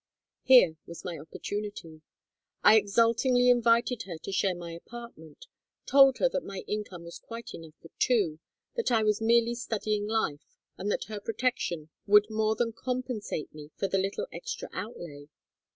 "Here was my opportunity. I exultingly invited her to share my apartment, told her that my income was quite enough for two, that I was merely studying life, and that her protection would more than compensate me for the little extra outlay.